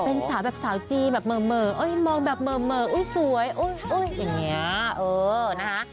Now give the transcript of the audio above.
เป็นสาวแบบสาวจีแบบเหม่อมองแบบเหม่ออุ๊ยสวยอย่างนี้เออนะคะ